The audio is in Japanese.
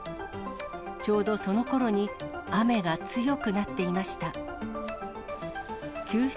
ちょうどそのころに、雨が強くなっていました。